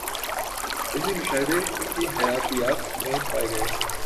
علمی مشاہدے ان کی حیاتیات میں پائے گئے